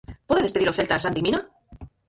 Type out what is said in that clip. Pode despedir o Celta a Santi Mina?